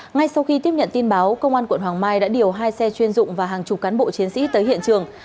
ngay sau khi tiếp nhận tin báo công an quận hoàng mai đã điều hai xe chuyên dụng và hàng chục cán bộ chiến sĩ tới hiện trường